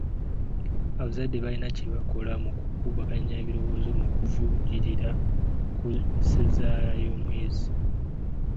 Abazadde balina kye bakola mu kukubaganya ebirowoozo mu kuvujjirira ku sizaala y'omuyizi.